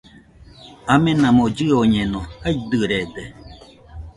Amenamo llɨoñeno, jaidɨrede